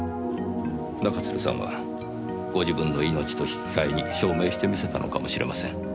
中津留さんはご自分の命と引き換えに証明してみせたのかもしれません。